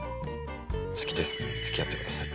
好きです付き合ってください。